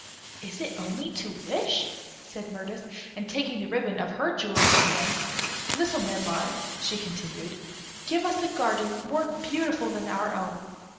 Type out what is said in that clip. "Is it only to wish?" said Mirtis; and taking the ribbon of her jewel in her hand, "Little medlar," she continued, "give us a garden more beautiful than our own."